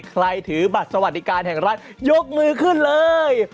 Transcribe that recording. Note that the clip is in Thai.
ถือบัตรสวัสดิการแห่งรัฐยกมือขึ้นเลย